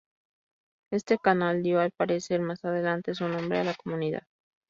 Este canal dio al parecer más adelante su nombre a la comunidad.